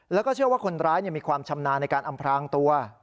แล้วก็เชื่อว่าคนร้ายมีความชำนาญในการอำพลางตัว